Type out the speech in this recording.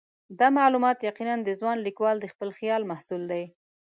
دا معلومات یقیناً د ځوان لیکوال د خپل خیال محصول دي.